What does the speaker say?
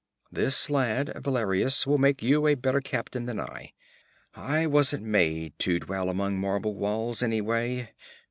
This lad, Valerius, will make you a better captain than I. I wasn't made to dwell among marble walls, anyway.